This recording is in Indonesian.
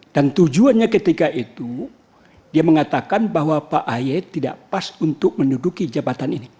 dan tujuannya ketika itu dia mengatakan bahwa pak ahaye tidak pas untuk menuduki jabatan ini